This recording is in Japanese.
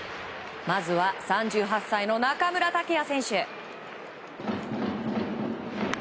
まず、３８歳の中村剛也選手。